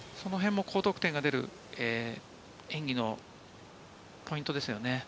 そのへんも高得点が出る演技のポイントですよね。